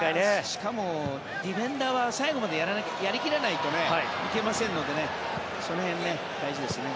しかもディフェンダーは最後までやり切らないといけませんのでその辺大事ですね。